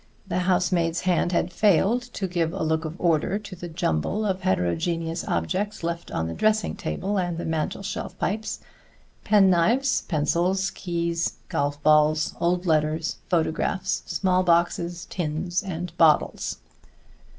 The housemaid's hand had failed to give a look of order to the jumble of heterogeneous objects left on the dressing table and the mantel shelf pipes, pen knives, pencils, keys, golf balls, old letters, photographs, small boxes, tins and bottles.